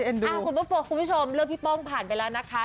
อ่าเข้าละคุณคุณผู้ชมเรื่องของพี่ป้องผ่านไปแล้วนะคะ